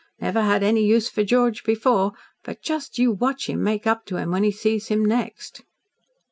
Never had any use for George before, but just you watch him make up to him when he sees him next."